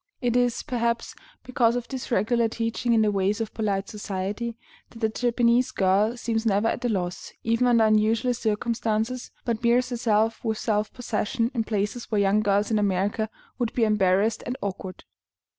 It is, perhaps, because of this regular teaching in the ways of polite society, that the Japanese girl seems never at a loss, even under unusual circumstances, but bears herself with self possession in places where young girls in America would be embarrassed and awkward.